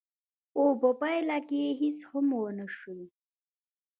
خو په پايله کې هېڅ هم ونه شول.